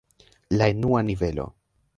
La enua nivelo.